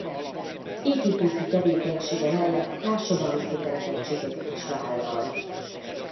Építészi tevékenysége mellett társadalmi kötelezettségeket is vállalt.